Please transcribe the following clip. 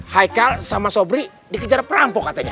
haikal sama sobri dikejar perampok katanya